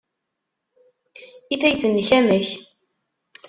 I tayet-nnek, amek?